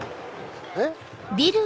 えっ？